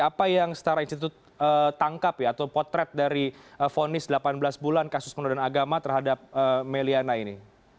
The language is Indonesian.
apa yang setara institut tangkap ya atau potret dari fonis delapan belas bulan kasus penodaan agama terhadap meliana ini